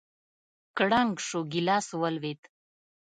کړنگ سو گيلاس ولوېد.